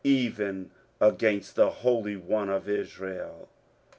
even against the Holy One of Israel.